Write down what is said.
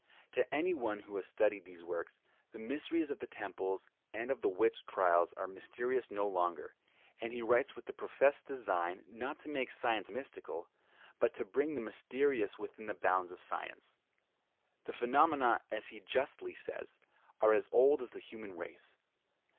To any one who has studied these works, the mysteries of the temples and of the witch trials are mysteries no longer; and he writes with the professed design, not to make science mystical, but to bring the mysterious within the bounds of science. The phenomena, as he justly says, are as old as the human race.